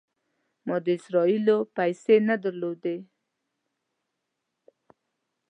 ما د اسرائیلو پیسې نه درلودې.